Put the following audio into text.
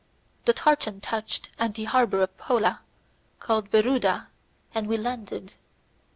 The tartan touched at the harbour of Pola, called Veruda, and we landed.